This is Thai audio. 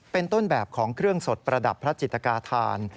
เป็นต้นแบบของเครื่องสดประดับพระจิตกาธาน